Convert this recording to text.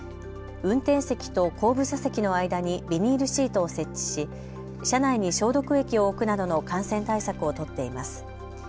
運転席と後部座席の間にビニールシートを設置し車内に消毒液を置くなどの感染対策を取っています。